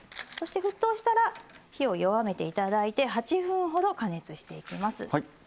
そして沸騰したら火を弱めていただいて８分ほど加熱していきます。